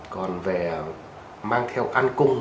còn về mang theo ăn cung